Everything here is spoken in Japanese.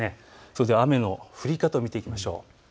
それでは雨の降り方を見ていきましょう。